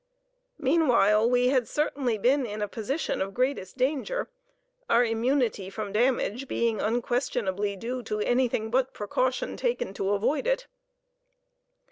Meanwhile, we had certainly been in a position of the greatest danger, our immunity from damage being unquestionably due to anything but precaution taken to avoid it.